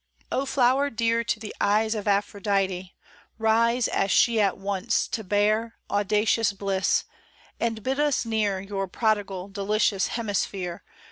O flower, dear to the eyes Of Aphrodite, rise As she at once to bare, audacious bliss ; And bid us near Your prodigal, delicious hemisphere.